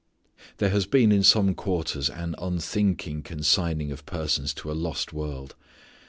There has been in some quarters an unthinking consigning of persons to a lost world.